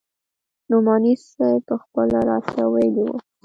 نعماني صاحب پخپله راته ويلي وو.